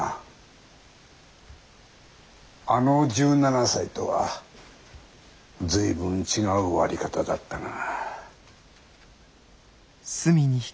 あの１７才とは随分違う終わり方だったが。